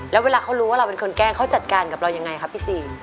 แล้วเวลาเขารู้ว่าเราเป็นคนแกล้งเขาจัดการกับเรายังไงครับพี่ซี